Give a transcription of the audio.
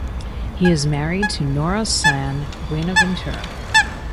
He is married to Nora San Buenaventura.